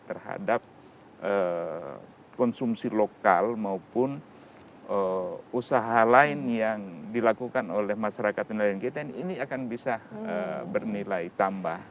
terhadap konsumsi lokal maupun usaha lain yang dilakukan oleh masyarakat nelayan kita ini akan bisa bernilai tambah